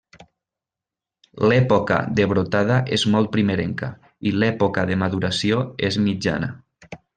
L'època de brotada és molt primerenca i l'època de maduració és mitjana.